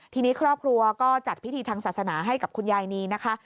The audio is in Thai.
ทีนี้ครอบครัวก็จัดพิธีทางศาสนาให้กับคุณยายนีนะคะ